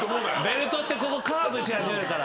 ベルトってここカーブし始めるから。